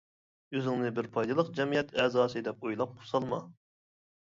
ئۆزۈڭنى بىر پايدىلىق جەمئىيەت ئەزاسى دەپ ئويلاپ سالما.